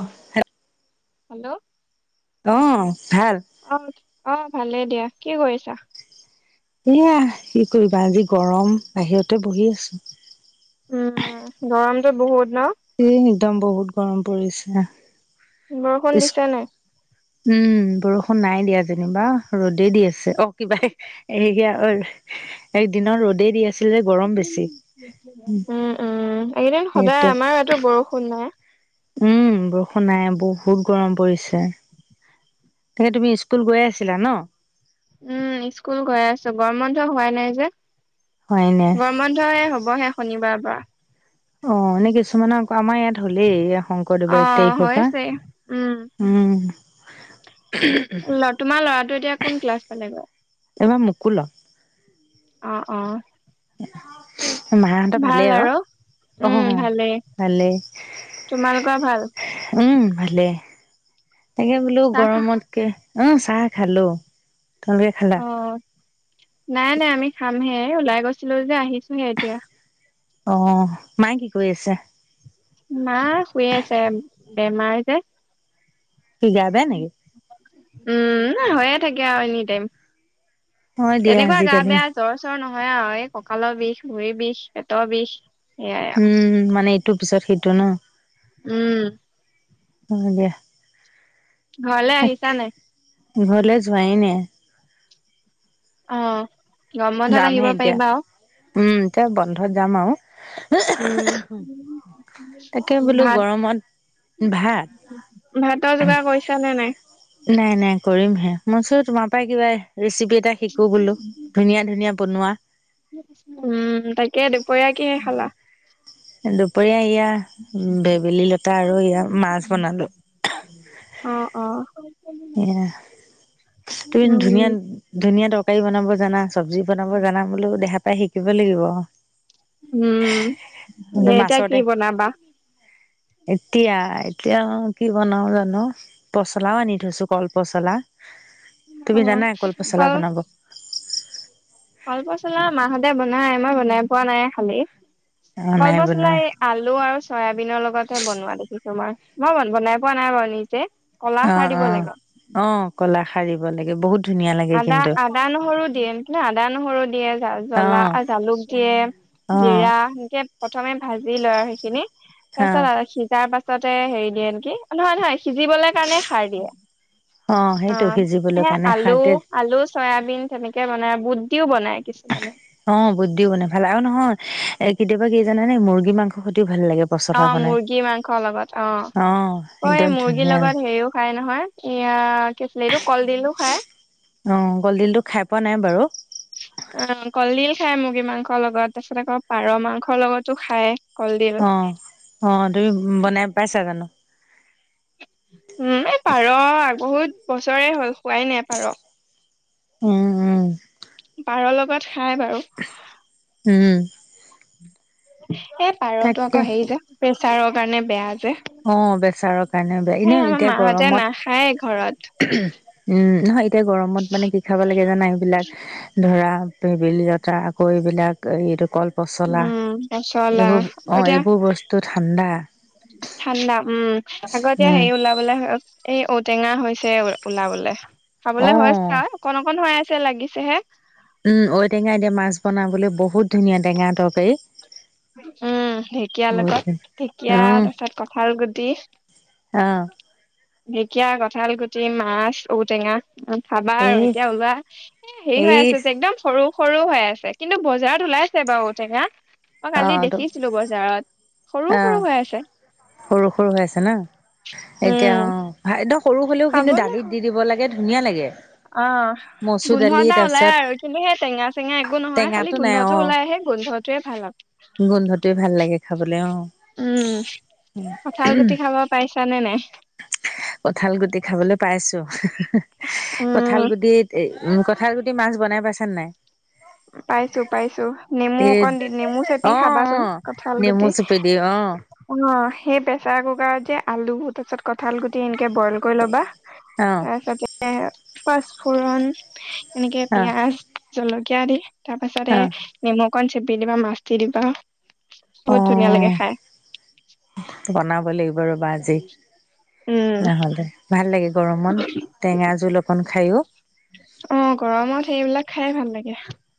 অ hello hello অ ভাল অ', অ', ভালে দিয়া কি কৰিছা এয়া কি কৰিবা আজি গৰম বাহিৰতে বহি আছো উম গৰমটো বহুত ন এ একদম বহুত গৰম পৰিছে বৰষুণ ইচ দিছে নাই উম বৰষুণ নাই দিয়া যেনিবা ৰ'দেই দি আছে অ কিবা হেইয়া ঐ এক দিনৰ ৰ'দে দি আছে উম উম এইকেইদিন সদায় সেইটোৱে আমাৰ ইয়াতো বৰষুণ নাই উম বৰষুণ নাই বহুত গৰম পৰিছে তাকে তুমি স্কুল গৈয়ে আছিলা ন উম স্কুল গৈ আছো গৰমবন্ধ হোৱাই নাই যে হয় নে? গৰম বন্ধ এ হবহে শনিবাৰৰ পৰা অ এনে কিছুমানক আমাৰ ইয়াত হ'লেই শংকৰদেৱৰ এক অ', তাৰিখৰ পৰা হৈছে উম, উম তোমাৰ ল'ৰাটো এতিয়া কোন ক্লাছ পালেগৈ ষোল্ল অ অ মাহাহতৰ ভালেই আৰু উম, অহহহ ভালেই ভালেই তোমালোকৰ ভাল? উম ভালে তাকে বোলো চাহ খা গৰমতকে অ চাহ খালো তোমালোকে খালা অ', নাই নাই আমি খামহে ওলাই গৈছিলো যে আহিছোহে এতিয়া অ মায়ে কি কৰি আছে মা শুইয়ে আছে বেমাৰ যে কি গা বেয়া নিকি উম হৈয়ে থাকে আৰু এনি টাইম হয় দিয়া তেনেকুৱা গা আজিকালি বেয়া জ্বৰ চৰ নহয় হয়ে আও এই কঁকালৰ বিষ ভৰি বিষ পেটৰ বিষ সেয়াই আৰু উম মানে এইটো পিছত সেইটো ন উম হু দিয়া ঘৰলে আহিছা নাই ঘৰলে যোৱাই নাই অ গৰম বন্ধত যামহে আহিব এতিয়া পাৰিবা আও উম' এতিয়া বন্ধত যাম আৰু। উম তাকে বোলো ভাত গৰমত। ভাতৰ ভাত যোগাৰ কৰিছা নে নাই নাই কৰিমহে। মই চো তোমাৰ পৰা কিবা ৰেচিপি এটা শিকো বোলো ধুনীয়া ধুনীয়া বনোৱা। উম তাকে দুপৰীয়া কিহে খালা? দুপৰীয়া এইয়া ভেবেলীলতা আৰু ইয়া মাছ বনালো। অ' অ'। অ' তুমি উম ধুনীয়া ধুনীয়া তৰকাৰী বনাব জানা? চব্জি বনাব জানা বোলো, দেহা পাই শিকিব লাগিব। উম, কিন্তু এতিয়া মাছৰ কি টেঙ বনাবা? এতিয়া এতিয়া কি বনাও জানো। পচলাও আনি থৈছো কলপচলা, অ তুমি জানা কলপচলা কল বনাব? কলপচলা মাহঁতে বনাই, মই বনাই পোৱা নাই খালি। অ নাই কলপচলা বনোৱা এই আলু আৰু চয়াবিনৰ লগতহে বনোৱা দেখিছো। তোমাৰ, মই বনাই পোৱা নাই বাৰু নিজে। কলা খাৰ অ' দিব অ' লাগে অ' কলা সাৰ দিব লাগে। বহুত ধুনীয়া লাগে আদা কিন্তু আদা, নহৰু দিয়ে আদা, নহৰু দিয়ে জ অ জ্বলা জালুক অ দিয়ে। জিৰা সেনেকে প্ৰথমে ভাজি। লয় আৰু সেইখিনি তাৰ অ পাছত সিজাৰ পাছতে হেৰি দিয়ে নেকি? নহয় নহয় সিজিবলে কাৰণে সাৰ দিয়ে। অ' সেইটো সিজিবলে সে কাৰণে আলু সাৰ দিয়ে। আলু, চয়াৰবিন সেনেকে বনাই বুট দিও বনাই। কিছুমানে অ' বুট দিও বনাই ভাল আৰু নহয় এ কেতিয়াবা কি জানানে? মুৰ্গী মাংস ভাল লাগে পচলা অ' বনাই মুৰ্গী মাংস লগত অ'। অ' এই একদম মুৰ্গীৰ ধুনীয়া লগত হেৰিও খাই নহয় এইয়া কি আছিলে এইটো কলডিলো খাই। অ কলডিলটো খাই পোৱা নাই বাৰু অ' কলডিল খায় মুৰ্গী মাংসৰ লগত তাৰ পিছত আকৌ পাৰ মাংসৰ লগতো খায়। কলডিল অ' - অ' তুমি বনাই পাইছা জানো? উম, এই পাৰ, বহুত বছৰে হ'ল খোৱাই নাই পাৰ। উম - উম। পাৰৰ লগত খায় বাৰু। উম। এ পাৰতো আকৌ তাকে হেৰি যে, প্ৰেছাৰৰ কাৰণে বেয়া। যে অ' প্ৰেছাৰৰ কাৰণেও বেয়া- এ এনেও আমাৰ এতিয়া মাহঁতে নাখায় ঘৰত গৰমত উম নহয়, এতিয়া গৰমত মানে কি খাব লাগে জানা, এইবিলাক ধৰা ভেবেলি লতা, আকৌ এইবিলাক এইটো কলপচলা, উম পচলা এইবোৰ- আকৌ অ' এতিয়া এইবোৰ বস্তু ঠাণ্ডা। ঠাণ্ডা উম। আগতে উম হেৰি ওলাবলে- এই ঔটেঙা হৈছে ওলাবলে। অ খাবলৈ হৈছে। [inaudible] অকণ - অকণ হৈ আছে, লাগিছেহে। উম, ঔটেঙাই দি মাছ বনাবলৈ বহুত ধুনীয়া টেঙা তৰকাৰী। উম, ঢেঁকীয়াৰ বহুত লগত। ঢেঁকীয়া, ধুনীয়া উম তাৰছত কঠাল গুটি। অ'। ঢেঁকীয়া, কঁঠাল গুটি, মাছ, ঔটেঙা। খাবা আৰু এই এতিয়া ওলোৱা। এ হেৰি হৈ এই আছে যে, একদম সৰু সৰু হৈ আছে। কিন্তু বজাৰত ওলাইছে বাৰু ঐটেঙা। মই অ কালি ত দেখিছিলোঁ বজাৰত। সৰু অ'। সৰু হৈ আছে সৰু - সৰু হৈ আছে ন'। এতিয়া- উম অ' ভাইদ সৰু হ'লেও কিন্তু খাবলে দালিত হয় দি দিব লাগে, ধুনীয়া লাগে। অ' মচুৰ গোন্ধ দালি এটা ওলায় তাৰপিছত আৰু। কিন্তু সেয়া টেঙা-চেঙা একো নহয়। খালি টেঙাটো নাই গোন্ধটো অ ওলাই আহে গোন্ধটোৱে ভাল গোন্ধটোৱে ভাল লাগে খাবলে। উম হেল্লো কঁঠাল গুটি খাব পাৰিছানে নাই কঁঠাল গুটি খাবলৈ পাইছো কঠাল উম গুটিত উ কঠাল গুটি মাছ বনাই পাইছ নে নাই? পাইছো পাইছো নেমু এই অকণ দি নেমু চেপি অ অ খাবাচোন কঁঠাল গো নেমু চুপি দি অ অ সেই প্ৰেচাৰ কুকাৰত যে আলু গুটি তাৰপিছত কঠাল গুটি বইল কৰি ল'বা অ তাৰ পিছতে পাচপোৰণ এনেকে অ পিয়াজ জলকীয়া দি তাৰ পাছতে অ নিমখ কন চেপি দিবা মাছ দি দিবা। অ বহুত ধুনীয়া লাগে খাই। বনাব লাগিব ৰবা আজি। উম নহলে ভাল লাগে গৰমত টেঙা জোল অকন খাই। অ' গৰমত সেইবিলাক খাইয়ে ভাল লাগে।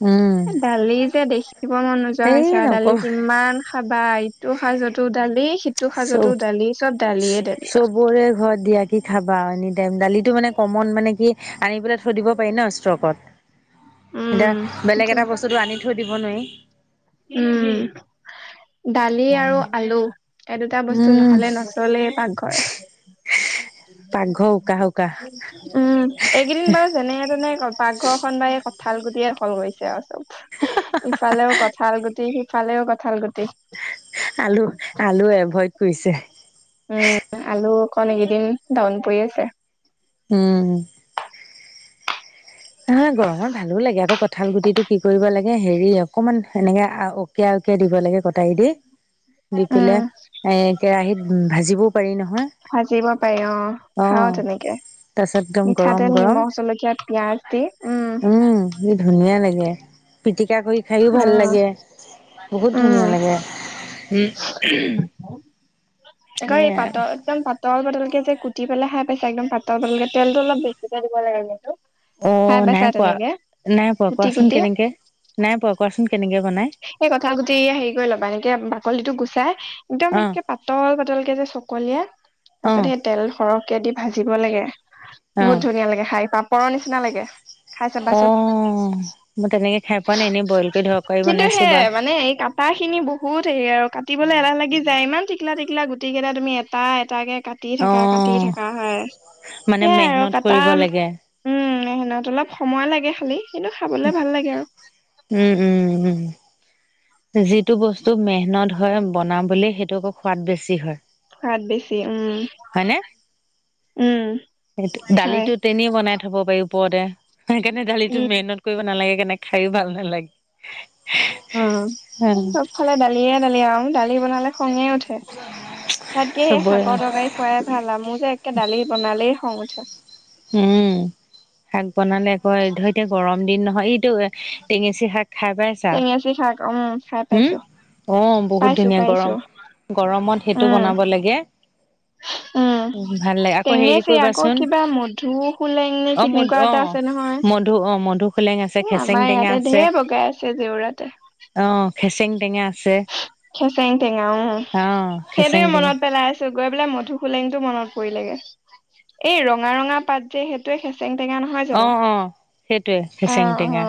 উম দালি যে দেখিব মন নোযোৱা এই হৈছে দালি নকবা কিমান খাবা এটো সাঁজোতো দালি সিটো সাঁজোতো চব দালি চব দালিয়ে দালি আৰু। চবৰে ঘৰত দিয়া কি খাবা আৰু এনি টাইম দালিটো মানে কমন মানে কি আনি পেলাই থৈ দিব পাৰি ন ষ্টকত। এতিয়া উম বেলেগ এটা বস্তুতটো আনি থৈ দিব নোৱাৰি। উম দালি আৰু আলু। এই দুটা বস্তু উম নহলে নচলেই পাকঘৰ। পাকঘৰ উকা উকা উম এইকেইদিন বাৰু যেনে তেনে ক পাকঘৰ খন বা এই কঁঠাল গুটিয়ে দখল কৰিচে আৰু চব ইফালেও কঠাল কঠাল গুটি সিফালেও কঁঠাল গুটি। আলু আলু এভইড কৰিছে। উম, আলু অকণ এইকেইদিন দাউন পৰি আছে। উম। [unintelligible] গৰমত ভালো লাগে আকৌ কঁঠাল গুটিটো কি কৰিব লাগে হেৰি আকৌ অকণমান সেনেকে ঔকিয়াই ঔকিয়াই দিব লাগে কটাৰি দি দি উম, পেলাই এ কেৰাহীত ভাজিবও পাৰি নহয়। ভাজিব পাৰি অ' অ খাও তেনেকে। তাৰপিছত একদম গৰম মিঠাতেল, গৰম নিমখ, জলকীয়া, পিয়াজ। উম কি ধুনীয়া লাগে। পিটিকা কৰি খাইও ভাল অ', লাগে, বহুত উম। ধুনীয়া লাগে। হম আক এই পাতল একদম পাতল পাতলকে যে কুটি পেলাই খাই পাইচা, একদম পাতল- পাতল কে তেলটো অলপ বেছিকে দিব লাগে কিন্তু। খাই অ' পাইছা নাই পোৱা, তেনেকে নাই পোৱা কুটি কোৱাচোন কুটি? কেনেকে নাই পোৱা কোৱাচোন কেনেকে বনাই এইে কথাল গুটি হেৰি কৰি ল'বা এনেকে বাকলিটো গুচাই একদম অ এককে পাতল পাতলকে যে চকলীয়া তাৰ অ পিছত সেই তেল সৰহকে দি ভাজিব লাগে। অ বহুত ধুনীয়া লাগে খাই পাপৰৰ নিচিনা লাগে। খাই চাবাচোন অ' মই তেনেকে খাই পোৱা নাই এনে বইল কৰি ধৰক কৰি কিন্তু বনাইছো সে বা মানে এই কটা খিনি বহুত হেৰি আৰু কাতা কুটিবলৈ এলাহ লাগি যায় ইমান টিকলা টিকলা গুটিগেতা তুমি এটা এটাকে কাটি অ থকা কাটি থকা হয় মানে সেইয়াই আৰু মেহনত কটা কৰিব লাগে। উম [unintelligible] অলপ সময় লাগে খালি কিন্তু খাবলে ভাল লাগে আৰু। উম, উম-উম। যিটো বস্তু মেহনত হয় বনাবলে সেইটো আকৌ সোৱাদ বেছি হয়। সোৱাদ বেছি উম। হয়নে উম সেইটো হয় দালিতো তেনেই বনাই থব পাৰি। ওপৰতে সেইকাৰণে দালিতো উম মেহনত কৰিব নালাগে সেইকাৰণে খাইও ভাল নালাগে। উম, চবফালে দালিয়ে দালি আৰু দালি বনালে খঙয়ে উঠে। তাতকে সেই চবৰে শাকৰ তৰকাৰী খোৱাই ভাল আৰু মোৰ যে একেবাৰে দালি বনালেই খঙ উঠে। উম শাক বনালে আক ধৰ এতিয়া গৰম দিন নহয় ই টেঙেচি শাক খাই পাইছা, টেঙেচি শাক উম খাই হম পাইছো অ' বহুত পাইছো ধুনীয়া গৰম পাইছো গৰমত সেইটো উম বনাব লাগে উম, ভাল লাগে আকৌ হেৰি কৰিবাচোন [unintelligible] সোলেঙনে অ কেনেকুৱা এটা আছে নহয়। সোলেং আছে এ খেচেং আমাৰ টেঙা ইয়াতে আছে ঢেৰ বগাই আছে জেওৰাতে অ খেচেং টেঙা আছে খেচেং টেঙা অ খেচেং সেইটোৱে টেঙা মনত পেলাই আছো গৈ পেলাই মধু সোলেংটো মনত পৰিলেগে এই ৰঙা ৰঙা পাত যে সেইটোৱে খে চেং টেঙা নহয় অ জানো অ সেইটোৱে অ খেচেং অ টেঙা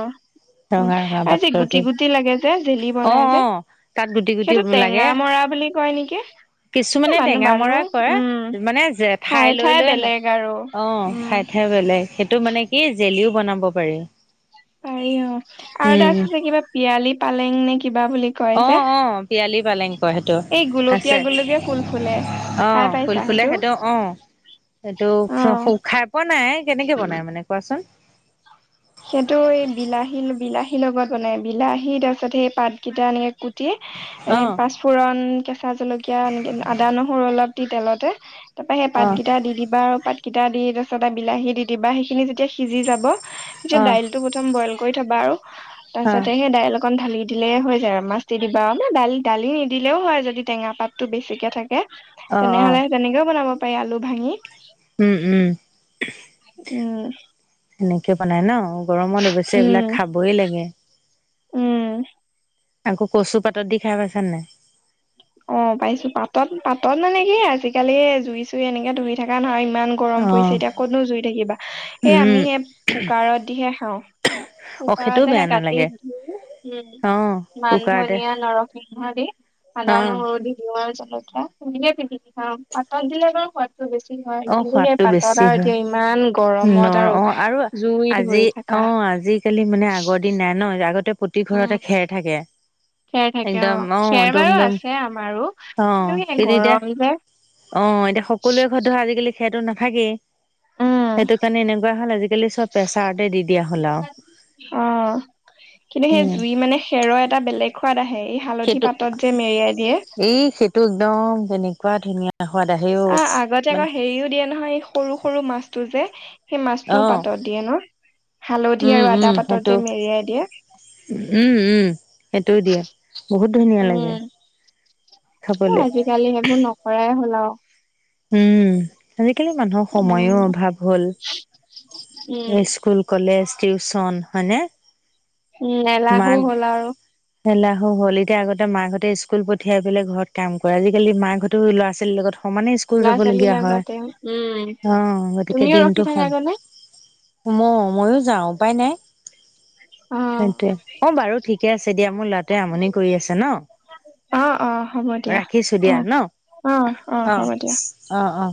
উম ৰঙা ৰঙা আৰু যে গুটি পাতৰটো গুটি লাগে যে জেলি অ বনাই যে অ তাত গুটি গুটি সেইটো লাগে টেঙা মৰা বুলি কয় নেকি এ কিছুমানে মানুহ টেঙা মৰা মানুহ কয় উম মানে যে ঠাই ঠায়ে লৈ ঠায়ে লৈ নাই বেলেগ আৰু অ উম ঠাই হে বেলেগ সেইটো মানে কি জেলিও বনাব পাৰি পাৰি অ আৰু এটা উম আছে যে কিবা পিয়ালি পালেং নে কিবা বুলি কয় অ যে অ পিয়ালি পালেং কয় সেটো এই আছে গুলপীয়া গুলপীয়া ফুল ফুলে অ খাই ফুল পাইছা ফুলে সেইটো সেটো অ এইটো অ খাই পোৱা নাই কেনেকে বনাই মানে কোৱাচোন সেটো এই বিলাহী বিলাহীৰ লগত বনাই বিলাহী তাৰ পিছত সেই পাতকেইটা এনেকে কু অ এনে পাঁচফুৰণ কে কেঁচা জলকীয়া এনেকে আদা নহৰু অলপ দি তেলতে তাপা সেই অ পাতগিটা দি দিবা আৰু পাত কিটা দি তাৰ পিছত এ বিলাহী দি দিবা সেইখিনি যেতিয়া সিজি যাব তেতিয়া অ দাইলটো প্ৰথম বইল কৰি থবা আৰু অ তাৰপিছতে সেই ডাইল অকণ ঢালি দিলে হৈ যায় আৰু মাছ দি দিবা আৰুে দালি দালি নিদিলেও হয় যদি টেঙা পাতটো বেছিকে থাকে অ অ তেনেহলে তেনেকেও বনাব পাৰি আলু ভাঙি উম উম উম সেনেকে বনাই ন গৰমত অৱশ্যে উম এইবিলাক খাবই লাগে উম আকৌ কচু পাতত দি খাই পাইছা নাই অ পাইছো পাতত পাতত মানে কি আজিকালি জুই চুই এনেকে ধই থকা নহয় ইমান গৰম অ পৰিছে এতিয়া কতো জুই থাকিবা সেই আমি উম সেই কুকাৰত দিহে খাওঁ অ সেইটোও কুকাৰত হে বেয়া কাটি নালাগে ধু উম অ মান কুকাৰতে ধনীয়া নৰসিংহ দি আদা অ নহৰু দি আৰু [unintelligible] জলকীয়া হেনেকে পিটিকি খাওঁ পাতত দিলে বাৰু সোৱাদ বেছি হয় অ কিন্তু সেই সোৱাদটো পাতত বেছি আৰু হয় এতিয়া ইমান নৰ গৰমত আৰু অ জুই আজি ধৰি থাকা অ আজিকালি মানে আগৰ দিন নাই ন আগতে প্ৰতি উম ঘৰতে খেৰ থাকে খেৰ থাকে একদম অ খেৰ দম বাৰু দম আছে আমাৰো অ কিন্তু এ এতিয়া গৰম যে অ এতিয়া সকলোৱে ঘৰত ধৰ আজিকালি খেৰটো নাথাকেই উম সেইটো কাৰণে এনেকুৱা হ'ল আজিকালি চব প্ৰেছাৰতে দি দিয়া হল আৰু অ কিন্তু সেই উম জুই মানে খেৰৰ এটা বেলেগ সোৱাদ আহে এই হালধি সেইটো পাতত যে মেৰিয়াই দিয এই সেইটো একদম কেনেকুৱা ধুনীয়া সোৱাদ আহে অ আগতে মানে আকৌ হেৰিও দিয়ে নহয় সৰু সৰু মাছটো যে সেই অ মাছটোও পাতত দিয়ে ন হালধি উম আৰু উম আদা পাতত সেইটো যে মেৰিয়াই দিয়ে উম উম সেইটোও দিয়ে বহুত ধুনীয়া লাগে উম খাবলে আজিকালি সেইবোৰ নকৰাই হ'ল আৰু উম আজিকালি মানুহৰ সময়ো উম অভাৱ উম হ'ল স্কুল কলেজ টিউচন হয়নে উম এলাহো হ'ল আৰু ঘলে আহু হলিতা আগতে মাকহঁতে স্কুল পঠিয়াই পেলাই ঘৰত কাম কৰে আজিকালি মাকহঁতো ল'ৰা ছোৱালীৰ লগত সমানে স্কুল ল'ৰা ছোৱালীৰ যাবলগীয়া হয় লগতে উম অ গতিকে তুমিও ৰখি দিনটো হম থাকাগৈ নে ম মইও যাওঁ উপায় নাই অ সেইটোয়ে অ বাৰু ঠিকে আছে দিয়া মোৰ লৰাটোৱে আমনি কৰি আছে ন অ অ হ'ব দিয়া ৰাখিছো অ দিয়া ন অ অ হ'ব দিয়া অ অ